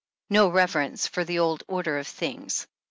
40 no reverence for the old order of things.